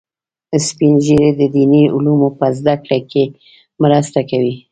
سپین ږیری د دیني علومو په زده کړه کې مرسته کوي